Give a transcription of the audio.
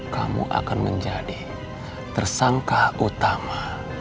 kamu akan menjadi tersangka utama